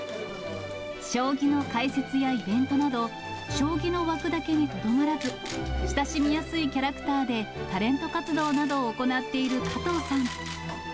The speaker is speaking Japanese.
将棋の解説やイベントなど、将棋の枠だけにとどまらず、親しみやすいキャラクターで、タレント活動などを行っている加藤さん。